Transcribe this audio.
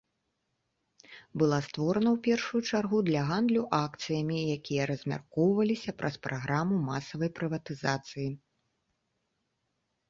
Была створана ў першую чаргу для гандлю акцыямі, якія размяркоўваліся праз праграму масавай прыватызацыі.